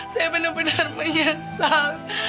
saya bener bener menyesal